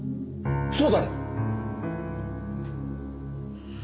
そうだろ？